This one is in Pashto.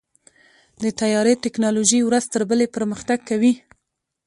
د طیارې ټیکنالوژي ورځ تر بلې پرمختګ کوي.